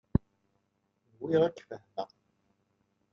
Nwiɣ ad k-fehmeɣ.